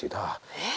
えっ！